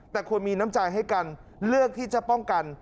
แต่ควรมีน้ำใจให้กันเลือกที่จะป้องกัน